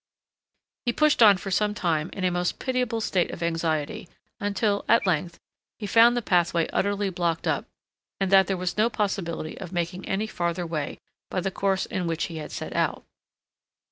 He pushed on for some time in a most pitiable state of anxiety, until, at length, he found the pathway utterly blocked up, and that there was no possibility of making any farther way by the course in which he had set out.